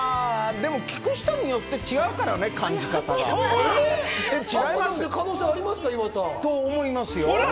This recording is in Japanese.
でも聴く人によって感じ方が可能性ありますか？と思いますよ。